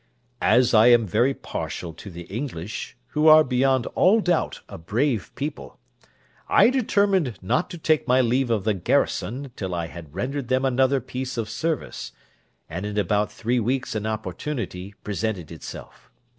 As I am very partial to the English, who are beyond all doubt a brave people, I determined not to take my leave of the garrison till I had rendered them another piece of service, and in about three weeks an opportunity presented itself.